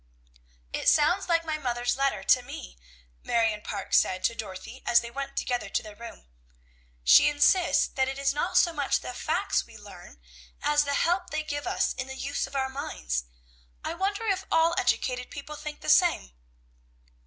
"It sounds like my mother's letter to me," Marion Parke said to Dorothy, as they went together to their room. "She insists that it is not so much the facts we learn, as the help they give us in the use of our minds. I wonder if all educated people think the same?"